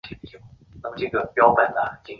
黄猄草为爵床科马蓝属的植物。